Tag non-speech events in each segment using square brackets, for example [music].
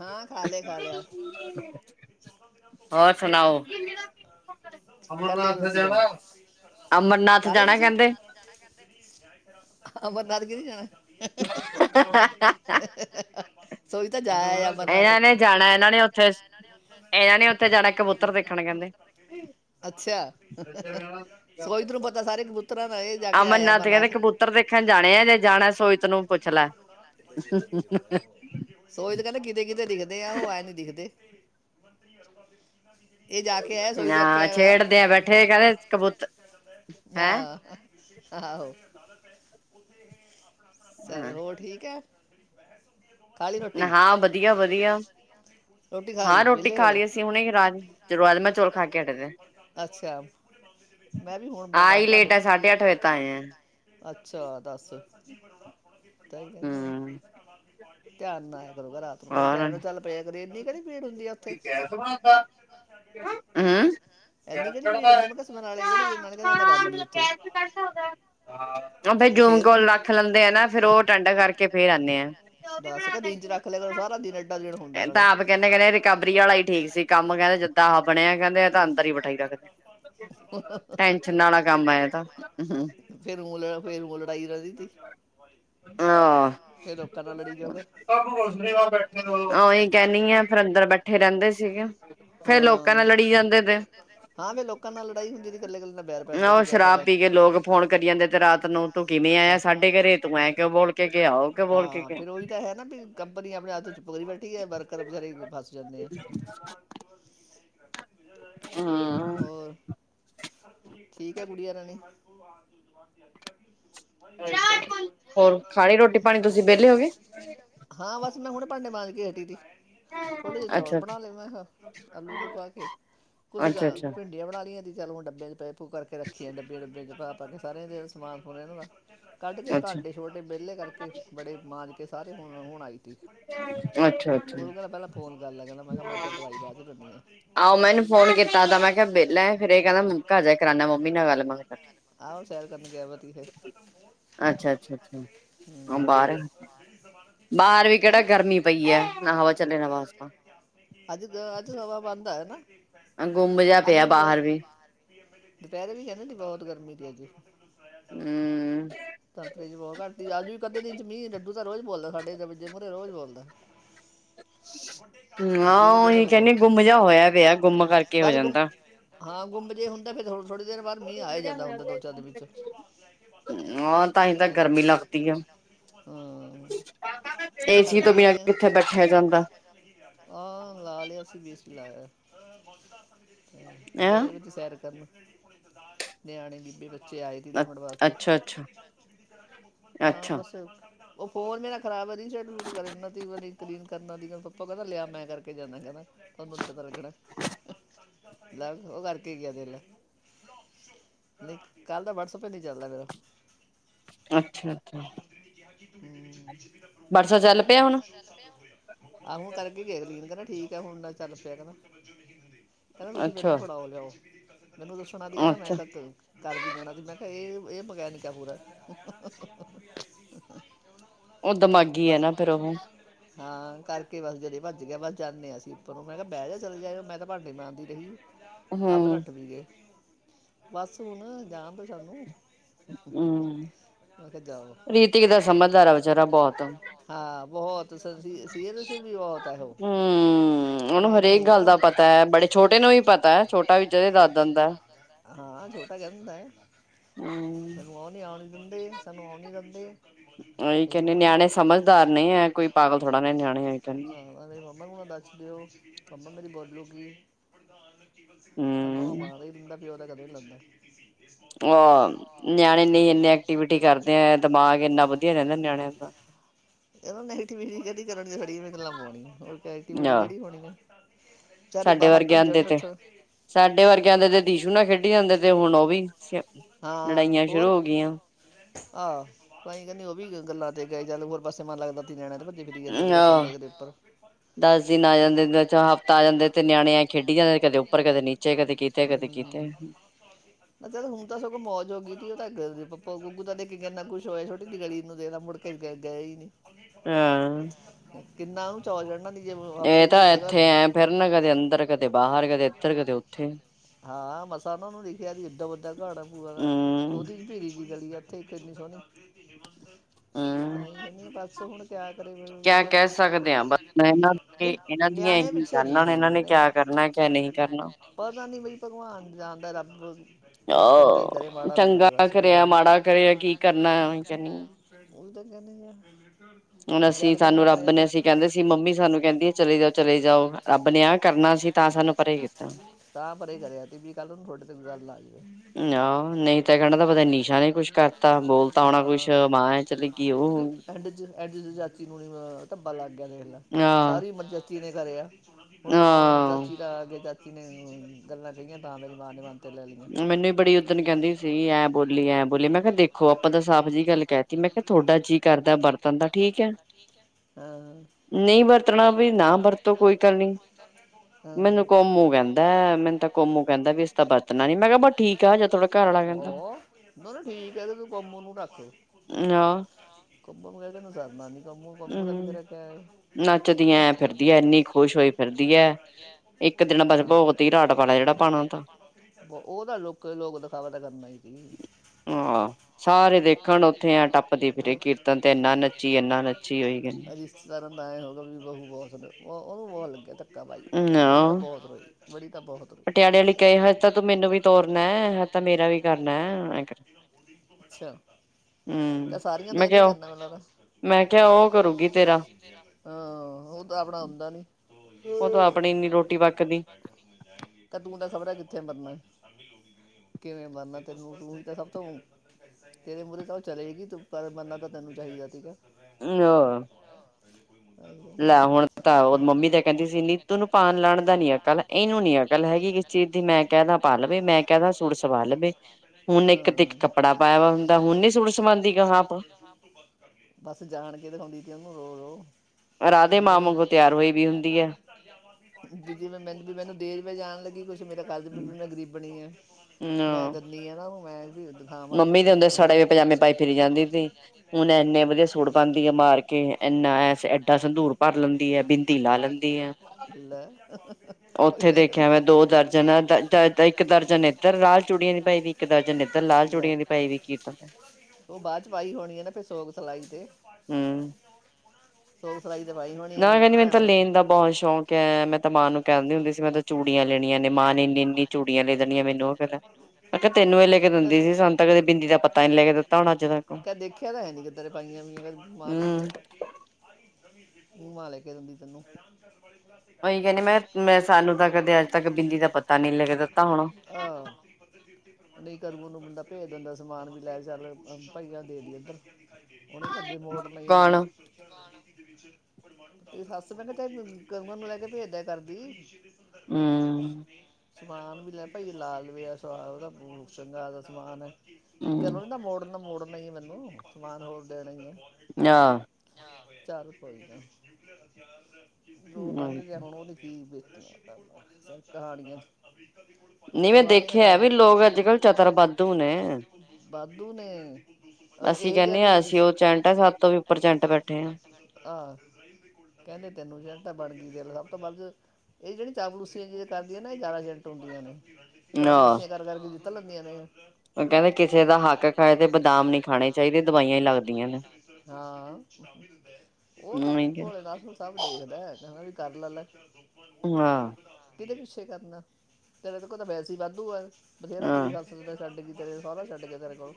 ਹਾਂ ਖਾ ਲਏ ਖਾ ਲਿਆ, ਕਾ ਲਈ ਰੋਟੀ ਪਾਣੀ ਖਾ ਲਏ ਤੁਸੀਂ ਹਾਂ ਬਰਬਾੱਦ ਕਿਰੀ ਜਾਣਾ [inaudible] ਹਾ ਹਾ [inaudible] ਇਹਨਾਂ ਨੇ ਜਾਣਾ, ਇਹਨਾਂ ਨੇ ਉਥੇ ਇਹਨਾਂ ਨੇ ਉਥੇ ਜਾਣਾ ਕਬੂਤਰ ਦੇਖਣ, ਕਹਿੰਦੇ ਅਮਰਨਾਥ ਕਹਿੰਦੇ ਕਬੂਤਰ ਦੇਖਣ ਜਾਣੇ ਆ, ਜੇ ਜਾਣਾ ਸੋਇਤ ਨੂੰ ਪੁਛੱਲਾ। ਹੋਈ ਤਾਂ ਗੱਲ [inaudible] ਕਿਤੇ ਕਿਤੇ ਦਿਖਦੇ ਆ ਉਹ, ਆਇਂ ਨਹੀਂ ਦਿਖਦੇ। ਮੰਤਰੀ ਅਰਬ ਸਿੰਘ [unintelligible] ਹਾਂ ਛੇੜਦੇ ਆ ਬੈਠੇ, ਕਹਿੰਦੇ ਕਬੂਤਰ ਹੈਂ ਚੱਲ ਹੋਰ ਠੀਕ ਐ। ਹਾਂ ਵਧੀਆ ਵਧੀਆ, ਹਾਂ ਰੋਟੀ ਖਾ ਲਈ ਅਸੀਂ ਹੁਣੇ, ਰਾਜਮਾਂਹ ਚੌਲ ਖਾ ਕੇ ਹਟ ਦੇ, ਆ ਹੀ ਲੇਟ ਆ ਸਾਢੇ ਅੱਠ ਵਜੇ ਤ ਆਏ ਆ। ਜੀ ਬਰੋੜਾ [unintelligible] ਤਹੀ ਕਹਨੀ ਹੈ [inaudible] ਧਿਆਨ ਨਾਲ। ਕਰੂਗਾ ਰਾਤ ਨੂੰ ਭਾਈ ਟਾਈਮ ਨੂੰ ਚੱਲ ਪਿਆ ਕਰੇ [inaudible] ਹਮ ਫ ਜੂਮ ਕੋਲ ਰੱਖ ਲੈਂਦੇ ਆ ਨਾ [inaudible] ਦੱਸ ਕੁ ਦਿਨ ਚ ਰੱਖ ਲਿਆ ਕਰ, ਸਾਰਾ ਦਿਨ ਏਡਾ ਦਿਨ ਹੁੰਦਾ ਨਾਲੇ। ਫਿਰ ਫ ਲੜਾਈ ਰਹਿੰਦੀ ਸੀ ਆਹ ਓ ਕਹਿਣੀ ਆ ਫਿਰ ਅੰਦਰ ਬੈਠ ਹਾਂ-ਹਾਂ ਵੇ ਲੋਕਾਂ ਨਾਲ ਲੜਾਈ ਹੁੰਦੀ ਇਕੱਲੇ ਇਕੱਲੇ ਬੈਰ ਪੈਂਦਾ ਤੇ ਕਿਆ ਫਾਇਦਾ। ਹਾਂ ਫਿਰ ਉਹੀ ਤਾਂ ਹੈ ਨਾ ਵੀ ਕੰਪਨੀ ਆਪਣੇ ਹੱਕ ਚੁੱਪ ਬੈਠੀ ਹੈ ਵਰਕਰ ਬੀਚਾਰੇ ਫਸ ਜਾਂਦੇ ਆ। ਹੋਰ? ਠੀਕ ਹੈ ਗੁੜੀਆ ਰਾਣੀ? [unintelligible] ਹੋਰ ਖਾ ਲਈ ਰੋਟੀ ਪਾਣੀ ਤੁਸੀਂ ਵਿਹਲੇ ਹੋਗੇ? ਕੇ ਹੱਟੀ ਸੀ। ਥੋੜੇ ਜਿਹੇ ਚੌਲ ਬਣਾ ਲਏ ਮੈਂ ਕਿਹਾ ਆਲੂ ਉਲੂ ਪਾ ਕੇ, ਕੁਛ ਗ ਭਿੰਡੀਆਂ ਬਣਾ ਲਈਆਂ ਤ ਚੱਲ ਮੁੰਡ ਪੈਕ ਪੂਕ ਕਰਕੇ ਰੱਖੀ ਜਾਂਦਾ ਡੱਬੇ- ਡੱਬੇ ਚ ਪਾ ਕੇ ਸਾਰੇਆਂ ਦੇ ਸਮਾਨ ਫਰੋਲ ਲਾ ਕਢਕੇ ਭਾਂਡੇ ਛੋਟੇ ਵਿਹਲੇ ਕਰਕੇ, ਬੜੇ ਮਾਂਜ ਕੇ ਕਾਦੇ ਹੁਣ ੳ [unintelligible] ਗੁਰੂ ਕਹਿੰਦਾ ਪਹਿਲਾਂ ਫੋਨ ਕਰ ਲੈ ਕਹਿੰਦਾ, ਮੈਂ ਕਿਹਾ ਮੈਂ ਤਾਂ ਦਵਾਈ ਪਾ ਕੇ ਬੈਠੀ ਆ। ਆਹੋ, ਸੈਰ ਕਰਨ ਗਿਆ ਬਗੀ ਤੇ ਅੱਛਾ- ਅੱਛਾ, ਹਾਂ ਔ ਬਾਹਰ ਏ ਬਾਹਰ ਵੀ ਕਿਹੜਾ ਗਰਮੀ ਪਈ ਹੈ ਨਾ ਹਵਾ ਚਲੇ ਨਾ ਵਾਸਤਾ ਹੁੰਦਾ ਹੈ ਨ ਏ ਗੁੰਮ ਜਿਹਾ ਪਿਆ ਬਾਹਰ ਵੀ ਦੁਪਹਿਰੇ ਵੀ ਕਹਿੰਦੇ ਸੀ ਬਹੁਤ ਗਰਮੀ ਤੇਜ ਏ। ਹੂੰ ਰੋਜ਼ ਬੋਲਦਾ ਹਾਂ ਔਹੀ ਕਹਿੰਣੀ ਗੁੰਮ ਜਿਹਾ ਹੋਇਆ ਪਿਆ ਗੁੰਮ ਕਰਕੇ ਹੋ ਜਾਂਦਾ। ਹਾਂ ਗੁੰਬ ਜੇ ਹੁੰਦਾ ਫਿਰ ਹੋਰ ਥੋੜੇ ਹੋਰ ਤਾਂ ਹੀ ਤਾਂ ਗਰਮੀ ਲੱਗਦੀ ਆ, ਏਸੀ ਤੋਂ ਬਿਨਾਂ ਕਿੱਥੇ ਬੈਠਿਆ ਜਾਂਦਾ। ਲਾਇਆ ਗਏ ਹੋਏ ਸੀ ਸੈਰ ਕਰਨ ਨਿਆਣੇ ਬੀਬੇ ਬ ਬੱਚੇ ਆਏ ਸੀ ਦੋ ਮਿੰਟ ਵਾਸਤੇ ਹਾਂ ਬੱਸ ਉਹ ਫੋਨ ਮੇਰਾ ਖਰਾਬ ਹੈ, ਰੀ ਸੈਟ ਸੁਟ ਕਰਣ ਨਾਲ ਕਈ ਵਾਰ ਕਲੀਨ ਕਰਣ ਨਾਲ, ਪੱਪਾ ਕਹਿੰਦਾ ਲਿਆ ਮੈਂ ਕਰਕੇ ਜਾਂਦਾ ਕਹਿੰਦਾ ਤੁਹਾਨੂੰ ਨੀ ਪਤਾ ਲਗਣਾ ਲੇ ਉਹ ਕਰਕੇ ਗਿਆ ਸੇਖ ਲੇ, ਕੱਲ ਦਾ ਵਟਸਪ ਹੀ ਨੀ ਚੱਲਦਾ ਮੇਰਾ ਅੱਛਾ-ਅੱਛਾ। ਹੂੰ। ਆਹੋ ਕਰਕੇ ਗਏ ਕਲੀਨ ਕਰਣ ਠੀਕ ਹੈ ਹੁਣ ਨਾ ਚੱਲ ਪਿਆ ਕ ਕਹਿੰਦਾ ਤੁਸੀਂ ਮੈਨੂੰ ਫੜਾਓ ਲਿਆਓ। ਮੈਨੂੰ ਦਸੋ ਨ ਸੀ ਕਹਿੰਦਾ ਮੈਂ ਹਜੇ ਤੱਕ ਕਰ ਵੀ ਦੇਣਾ ਸੀ। ਮੈਂ ਕਿਹਾ ਇਹ ਇਹ ਮਕੈਨਿਕ ਹੈ ਪੂਰਾ [inaudible] ਉਹ ਦਿਮਾਗੀ ਆ ਨਾ, ਫੇਰ ਉਹ ਹਾਂ ਕਰਕੇ ਬਸ ਜਦੇ ਭੱਜ ਗਿਆ ਬਸ ਜਾਂਦੇ ਹਾਂ ਅਸੀ, ਉਹਨੂੰ ਮੈਂ ਕਿਹਾ ਬਹਿ ਜਾ ਚਲੇ ਜਾਇ ਮੈਂ ਤਾਂ ਭਾਂਡੇ ਮਾਂਝਦੀ ਰਹੀ। ਆਪ ਨੱਠ ਵੀ ਗਏ। ਬਸ ਹੁਣ, ਜਾਣ ਦੋ ਸਾਨੂੰ ਹੂੰ, ਰੀਤਿਕ ਦਾ ਸਮਝਦਾਰ ਆ ਵਿਚਾਰਾ ਬਹੁਤ ਬਹੁਤ ਸੀ ਸੀਰਿਯਸ ਵੀ ਬਹੁਤ ਏ ਓਹ, ਇਹ ਨਹੀਂ ਹੈਗਾ ਬੜੇ ਛੋਟੇ ਨੂੰ ਵੀ ਪਤਾ, ਹਾਂ ਛੋਟਾ ਕਹਿ ਦਿੰਦਾ ਦਿੰਦੇ, ਸਾਨੂੰ ਉਹ ਨਹੀਂ ਦਿੰਦੇ ਮੇਰੀ ਮੰਮਾ, ਮੇਰੀ ਮੰਮਾ ਨੂੰ ਨਾ ਦੱਸ ਦਿਓ, ਮੰਮਾ ਮੇਰੀ ਬ [unintelligible] ਮਾਰ ਈ ਦਿੰਦਾ। ਕੀ ਉਹਦਾ ਕਦੇ ਨੀ ਲੱਗਦਾ। ਆ ਨਿਆਣੇ ਇਹੋ ਨੈਗਟਿਵੀਟੀ ਕਰਨ ਗੇ। ਵੀ ਗਲਾਂ ਪਾਉਣੀ, ਓਹਦੇ ਤੋਂ ਐਕਟੀਵਿਟੀ ਕਿਹੜੀ ਹੋਣੀ ਆ। ਸਾਡੇ ਵਰਗੇ ਆਂਦੇ ਤੇ ਸਾਡੇ ਵਰਗੇ ਆਦੇ ਤੇ ਦੀਸ਼ੂ ਨਾ ਖੇਡੀ ਜਾਂਦੇ ਤੇ ਹੁਣ ਉਹ ਵੀ ਲੜਾਈਆਂ ਸ਼ੁ ਹੋਰ, ਆਹ ਅਸੀ ਕਹਿਣੇ ਉਹ ਵੀ ਗੱਲਾਂ ਤੇ ਚੱਲ ਹੋਰ ਪਾਸੇ ਮਨ ਲਗ ਤਾ ਤੀ ਨਿਆਣਿਆਂ ਦਾ। ਆਹ ਦਸ ਦਿਨ ਆ ਜਾਂਦੇ, ਚਾ ਹਫ਼ਤਾ ਆ ਜਾਂਦੇ ਤੇ ਨਿਆਣੇ ਖੇਡੀ ਜਾਂਦੇ ਕਦੇ ਉੱਪਰ, ਕਦੇ ਨੀਚੇ, ਕਦੇ ਕਿਤੇ ਕਦੇ ਕਿਤੇ। [unintelligible] ਐਨਾ ਖੁਸ਼ ਹੋਏ ਛੋਟੀ ਜੀ ਗਲੀ ਨੂੰ ਦੇ ਦਾ ਮੁੜਕੇ ਗਏ ਈ ਨੀ। [inaudible] ਕਿੰਨਾ ਉਹਨੂੰ ਚੋ ਚੜ੍ਹਨਾ ਤੀ। ਹਫ਼ਤੇ ਹਾਂ ਮਸਾਂ ਉਹਨਾਂ ਨੂੰ ਦਿੱਖਿਆ ਵੀ ਏਦਾਂ ਵੱਡਾ ਘਰ ਆ ਭੂਆ ਦਾ [unintelligible] ਉਹਦੀ [unintelligible] ਚਲੀਏ ਇੱਥੇ ਕਿਨੀ ਸੋਹਣੀ [unintelligible] ਬਸ ਹੁਣ ਕਿਆ ਕਰੇ ਨਹੀਂ, ਨਿਆਣੇ ਪਿੱਛੇ ਨੀ ਹਾਂ, ਪਤਾ ਨੀ ਬਈ ਭਗਵਾਨ ਜਾਣਦਾ, ਰੱਬ ਬਸ ਚੰਗਾ ਹੀ ਕਰੇ ਮਾੜਾ ਨਾ ਚਗਾ ਕਰਿਆ ਮਾੜਾ ਖਿਆ ਕੀ ਕਰਨਾ। [unintelligible] ਜਦ ਕਹਿੰਦੇ ਆਪਣੇ, ਤਾ ਪਰੇ ਕਰਿਆ ਸੀ ਕੱਲ ਨ [unintelligible] ਆਹ ਨਹੀਂ ਐਂਡ ਚ ਚਾਚੀ ਨੂੰ ਨੀ [unintelligible] ਧੱਬਾ ਲੱਗ ਗਿਆ ਦੇਖ ਲੈ, ਸਾਰੀ ਮਰਜ਼ ਕੀ ਨ ਕਰੇ ਆ ਹੁਣ ਨੋ ਚਾਚੀ ਦਾ ਆ ਗਿਆ ਚਾ ਕਿਨੇ ਗੱਲਾਂ ਕਹੀਆਂ ਤਾਂ ਮ ਬਮਾਰ ਨਿ ਬਉਂ ਮੈਨੂੰ ਵੀ ਬੜੀ ਉੱਦਣ ਕਹਿੰਦੀ ਸੀ ਐ ਹਾਂ, ਹਾਂ। ਪਤਣਾ ਨੀ ਮੈਂ ਕਿਹਾ ਬ ਠੀਕ ਆ ਜੀ ਤੁਹਾਡਾ ਘਰ ਆਲਾ ਕਹਿੰਦਾ ਮੈ ਕਿਹਾ ਠੀਕ ਹ ਤੂੰ ਕੋਮੋ ਨੂੰ ਰੱਖ ਕੋਮੋ ਬਗੈਰ ਮੇਰਾ ਸਰਨਾ ਨਹੀਂ ਕਮੁ ਬੰਮੂ ਦਾ ਵੀਧਰ ਕਿਆ ਹੈ ਉਹ ਤਾਂ ਲੋਕ- ਲੋਕ ਦਿਖਾਵਾ ਤਾਂ ਕਰਨਾ ਹੀ ਰਿਸ਼ਤੇਦਾਰ [unintelligible] ਬਾਈ ਬੜੀ ਤਾਂ ਬਹੁਤ ਰੋਈ ਬੜੀ ਤਾਂ ਬਹੁਤ ਰੋਈ ਅੱਛਾ ਤੇ ਸਾਰੀਆਂ ਦਾ ਇਹਨੇ ਹੀ ਕਰਨਾ ਹਾਂ, ਉਹ ਤਾਂ ਆਪਣਾ ਹੁੰਦਾ ਨੀ ਉਹ ਤ ਆਪਣੀ ਨੀ ਰੋਟੀ ਪੱਕਦੀ ਕਿਵੇਂ ਬੰਦਾ ਤੈਨੂੰ ਤੂੰ ਹੀ ਤਾਂ ਸਭ ਤੋਂ ਤੇਰੇ ਮੂਹਰੇ ਤਾਂਭ ਚਲੇਗੀ ਤੂੰ ਪਰ ਮਰਨਾ ਤਾਂ ਤੈਨੂੰ ਚਾਹੀਦਾ ਠੀਕ ਹੈ ਹ ਲੈ ਹੁਣ ਤਾਂ ਮੰਮੀ ਤੇ ਕਹਿੰਦੀ ਸੀ ਨਿੱਤੁ ਨੂੰ ਪਾਨ ਲਾਣ ਦਾ ਨੀ ਅਕਲ, ਇਹਨੂੰ ਨੀ ਅਕਲ ਹੈਗੀ ਕਿਸ ਚੀਜ਼ ਦੀ, ਮੈਂ ਕਹਿਦਾ ਪਾ ਲਵੇ ਮੈਂ ਕਹਿਦਾ ਸੂਟ ਸਵਾ ਲਵੇ ਬੱਸ ਜਾਣ ਕੇ ਦਿਖਾਉਂਦੀ ਸੀ ਉਹਨੂੰ ਰੋ ਊਹ ਵੀ ਮੈਨੂੰ ਬ ਮੈੂੰ ਮੈਨੂੰ ਦੇਰ ਮੈਂ ਜਾਣ ਲੱਗੀ ਕੁਛ ਮੇਰਾ ਕਰਜ ਬਿਲ ਮੈਂ ਗਰੀਬਨੀ ਹੈ ਮੈਂ ਦਾ ਉਹ ਮੈਂ ਵੀ [unintelligible] ਓਥੇ ਦੇਖੇਆ ਮੈ ਦੋ ਦਰਜਨ ਆ, ਤਾ ਅੱਦਾ, ਅੱਦਾ, ਇੱਕ ਦਰਜਨ ਏਦਰ ਲਾਲ ਚੂੜੀਆਂ ਦੀ ਲੈ, ਓ ਬਾਚ ਪਾਈ ਹੋਣੀ ਆ ਨਾ ਫੇਰ ਸੋਗ ਤਲਾਈ ਤੇ ਹੂੰ। ਨਾ ਮੇਨ ਕੈਂਦੀ ਮੈਨ ਤਾਂ ਲੇਨ ਦਾ ਬੋਂਅਤ ਸੋ਼ਕ ਐ, ਮੈ ਤਾ ਮਾਂ ਨੂੰ ਕੈਂਦੀ ਹੁੰਦੀ ਸੀ ਮੈਂ ਤਾਂ ਚੂੜੀਆਂ ਲੈਣੀਆਂ ਨੇ, ਮਾਂ ਨੇ ਏਨੀਂ ਏਨੀਂ ਚੂੜੀਆਂ ਲੇ ਦੇਨੀਆਂ ਮੈਨੂੰ ਫੇਰ। [unintelligible] ਕ, ਕ ਦੇਖੇਆ ਤਾਂ ਹੈ ਨੀ, ਕਦੀ ਤੇਰੇ ਪਾਈਆਂ ਹੋਈਆਂ ਮਾਂ ਧੀ ਨੇ। ਉ ਮਾਂ ਲੈ ਕੇ ਦੰਦੀ ਤੈਨੂੰ। ਮੈਂ ਓਈ ਕੈਨੀ ਮੈ, ਮੈਂ ਸਾਨੂੰ ਤਾਂ ਕਦੇ ਅੱਜ ਤੱਕ ਬਿੰਦੀ ਦਾ ਪੱਤਾ ਨੀ ਲੈਕੇ ਦਿੱਤਾ ਹੋਣਾ। ਨਈ ਕਰੂਓ ਨੂੰ ਬੰਦਾ ਭੇਜ ਦਿੰਦਾ ਸਮਾਨ, ਵੀ ਲੈ ਚੱਲ ਅ ਭਾਈ ਆ ਦੇ ਦੀ ਓਦਰ। ਓਨੇ ਤਾ ਮੋਡ ਲਾਈ ਆ ਮੈਨੂੰ [inaudible] ਤੇਰੀ ਸੱਸ ਮੈਂਨੂ ਕੈਂਦੀ ਕਮਲ ਨੂੰ ਲੈ ਕੇ ਭੇਜ ਦੇਆ ਕਰਦੀ। ਹੂੰ ਸਮਾਨ ਵੀ ਲੈ ਭਾਈ ਲਾ ਲਵੇ ਸ ਸੁਹਾਗ ਉ ਸ਼ਿੰਗਾਰ ਦਾ ਸਮਾਨ ਚਲ ਓਨਾਂ ਮੋੜ ਨਾ ਮੋੜ ਨਈ ਮੈਨੂੰ ਸਮਾਨ ਹੋਰ ਦੇਦਣ ਗੇ ਚੱਲ ਕੋਈ ਨਾ ਜੋ ਲੰਘ ਗੇਆ ਹੁਣ ਓਨੂਂ ਕੀ ਬ ਹੋਣ ਤਾਂ ਸਬ ਕਹਾਣੀਆਂ ਨੲਈ ਮੈਂ ਦੇਖੇਆ ਮੈਂ ਦੇਖਿਆ ਵੀ ਲੋਕ ਅੱਜ- ਕੱਲ ਚਤਰ ਬਾਦੂ ਨੇ, ਬਾਦੂ ਨੇ ਅ ਏਹ ਜੇਆਂ ਦੀ ਸੁ, ਸ, ਅਸੀਂ ਕੈਨੇ ਆ ਅਸੀ ਓ ਚੰਟ ਆ ਸਾਤੋਂ ਉੱਪਰ ਚੰਟ ਬੈਠੇ ਆ, ਕੈਂਦੇ ਤੈਨੂੰ ਚੰਟ ਆ ਬਣ ਓ ਗੀ ਸਭ ਤੋਂ ਵੱਧ ਏ ਜੇੜੀ ਚਾਪਲੂਸੀਆਂ ਜੀਆਂ ਕਰਦੀਆਂ ਨਾ, ਏ ਜਾਦਾ ਚੰਟ ਹੁੰਦੀਆਂ ਨੇ। ਚਾਪਲੂਸੀਆਂ ਕਰ ਕਰ ਕੇ ਬੀ [unintelligible] [unintelligible] ਹਾਂ, ਓ ਤਾਂ ਪ ਭ ਭੋਲੇ਼ਨਾਥ ਨੂ ਸਭ ਦੇਖਦੈ ਕੇਂਦਾ ਵੀ ਕਰਲੈ ਲੈ ਊਂ ਆ ਕਿਦੇ ਪਿੱਸੇ਼ ਕਰਨਾ? [inaudible] ਵੀ ਵਾਦੂ ਆ ਬਥੇਰਾ ਤੇਰੀ ਸੱਸ ਐਡਾ ਤੇ ਸ਼ਡ ਗੀ ਤੇਰਾ ਤਾ ਸੌਰਾ ਸ਼ਡ ਗੇਆ ਤੇਰੇ ਕੋਲ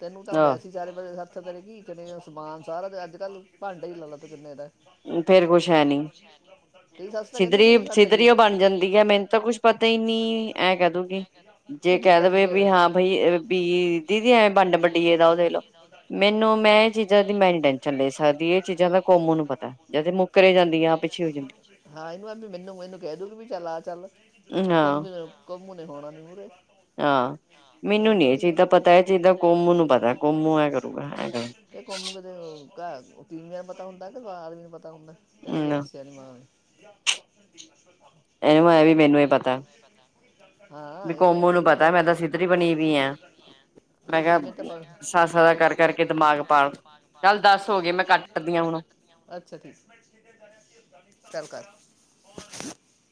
ਤੈਨੂੰ ਤਾਂ ਵੈਸੇ ਈ ਚਾਰੇ ਪਾਸੇ ਹੱਥ [unintelligible] ਸਮਾਨ ਸਾਰਾ ਤੇ ਅੱਜ- ਕੱਲ ਭਾਂਡੇ ਈ ਲਾਲੈ ਕਿੰਨੇ ਦਾ ਐ। ਫੇਰ ਕੁਛ ਹੈ ਨੀ ਸਿਧਰੀ ਸਿਧਰੀਓ ਬਣ ਜਾਂਦੀ ਹੈ ਮੈਨੂੰ ਤਾਂ ਕੁੱਛ ਪਤਾ ਹੀ ਨੀ ਕਹਿ ਦੂਗੀ ਜੇ ਕਹਿ ਦੇਵੇ ਵੀ ਹਾਂ ਬਈ ਬੀ ਦੀਦੀ ਐਵੇਂ ਵੰਡ ਵੰਡੀਏ ਦਾ ਉਹ ਦੇ ਲਓ ਮੈਨੂੰ ਮੈਂ ਇਹ ਚੀਜ਼ਾਂ ਦੀ ਮੈਂ ਨੀ ਟੈਨਸ਼ਨ ਲੈ ਸਕਦੀ ਇਹ ਚੀਜ਼ਾਂ ਦਾ ਕੋਮੂ ਨੂੰ ਪਤਾ ਹਾਂ ਇਹਨੂੰ ਮੈਨੂੰ ਇਹਨੂੰ ਕਹਿ ਦੂਗੀ ਵੀ ਚੱਲ ਆ ਚੱਲ ਨੇ ਹੋਣਾ ਨੀ ਮੂਹਰੇ ਹਾਂ ਮੈਨੂੰ ਨੀ ਇਹ ਚੀਜ ਦਾ ਪਤਾ ਹੈ ਚੀਜ ਦਾ ਕੋਮੂ ਨੂੰ ਪਤਾ ਕੋਮੂ ਐ ਕਰੂਗਾ ਕਰ ਉਹ ਤਿੰਨ ਦਿਨ ਪਤਾ ਹੁੰਦਾ ਕਿ ਬਾਰਾ ਦਿਨ ਪਤਾ ਤੈਨੂੰ ਕਿ ਦੱਸਿਆ ਨੀ ਮਾਂ ਨੇ [inaudible] ਐ ਹੈ ਵੀ ਮੈਨੂੰ ਹੀ ਪਤਾ ਹਾਂ ਇਹਨੇ ਇਹਨੂੰ ਅੱਛਾ ਠੀਕ ਚੱਲ ਕਰ